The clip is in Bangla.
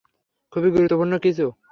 খুবই গুরুত্বপূর্ণ কিছু!